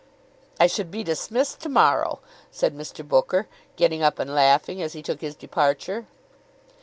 "I should be dismissed to morrow," said Mr. Booker, getting up and laughing as he took his departure.